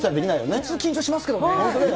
普通、緊張しますけどね。